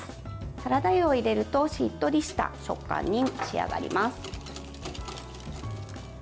サラダ油を入れるとしっとりした食感に仕上がります。